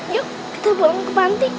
yuk kita bangun ke panti